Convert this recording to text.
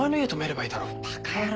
バカ野郎。